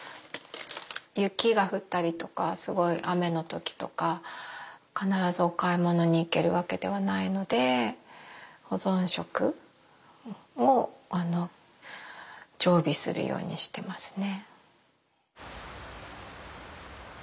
雪が降ったりとかすごい雨の時とか必ずお買い物に行けるわけではないので保存食を常備するようにしてますね。